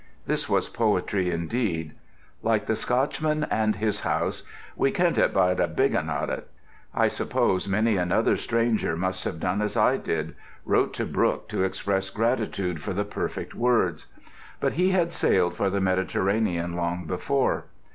This was poetry indeed; like the Scotchman and his house, we kent it by the biggin o't. I suppose many another stranger must have done as I did: wrote to Brooke to express gratitude for the perfect words. But he had sailed for the Mediterranean long before.